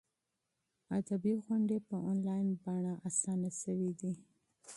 ادبي غونډې په انلاین بڼه اسانه شوي دي.